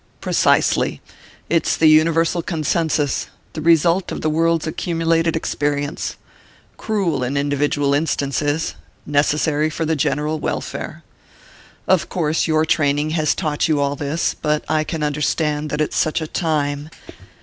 "Precisely. It's the universal consensus the result of the world's accumulated experience. Cruel in individual instances necessary for the general welfare. Of course your training has taught you all this; but I can understand that at such a time...."